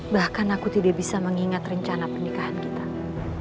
bahkan aku tidak bisa mengingat rencana pernikahan kita